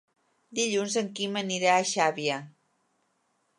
Dilluns en Quim anirà a Xàbia.